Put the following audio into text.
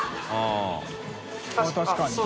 確かに。